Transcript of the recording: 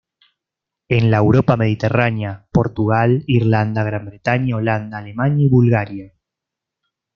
En la Europa mediterránea, Portugal, Irlanda, Gran Bretaña, Holanda, Alemania y Bulgaria.